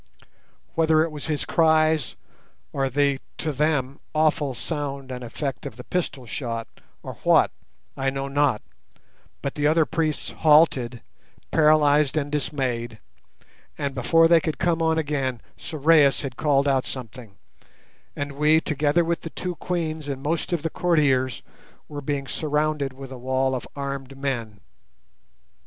Whether it was his cries, or the, to them, awful sound and effect of the pistol shot, or what, I know not, but the other priests halted, paralysed and dismayed, and before they could come on again Sorais had called out something, and we, together with the two Queens and most of the courtiers, were being surrounded with a wall of armed men.